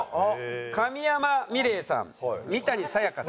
神山みれいさん三谷沙也加さん